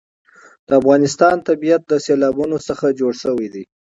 د افغانستان طبیعت له سیلابونه څخه جوړ شوی دی.